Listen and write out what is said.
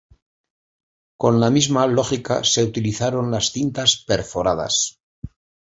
Con la misma lógica se utilizaron las cintas perforadas.